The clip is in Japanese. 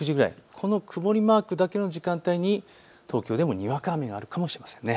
この曇りマークだけの時間帯に東京でもにわか雨があるかもしれません。